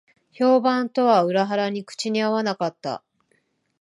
評判とは裏腹に口に合わなかった